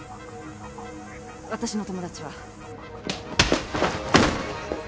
私の友達は。